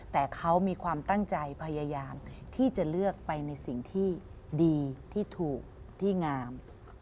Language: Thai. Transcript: แต่เขามีความตั้งใจพยายามที่จะเลือกไปในสิ่งที่ดีที่ถูกที่งาม